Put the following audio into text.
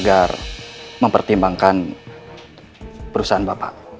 agar mempertimbangkan perusahaan bapak